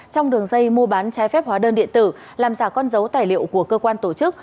trong đường dây mua bán trái phép hóa đơn điện tử làm giả con dấu tài liệu của cơ quan tổ chức